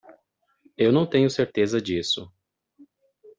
Eu não tenho certeza disso.